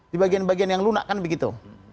di bagian bagian yang lunak kan begitu